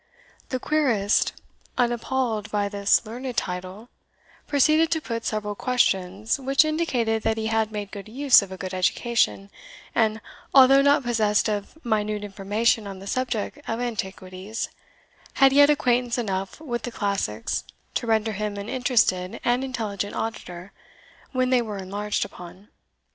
The querist, unappalled by this learned title, proceeded to put several questions, which indicated that he had made good use of a good education, and, although not possessed of minute information on the subject of antiquities, had yet acquaintance enough with the classics to render him an interested and intelligent auditor when they were enlarged upon.